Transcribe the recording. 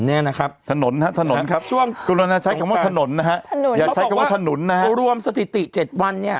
ถนนครับบางอย่างใช้ว่าถนนนะอยากใช้คำว่าถนนรวมสถิติเจ็ดวัน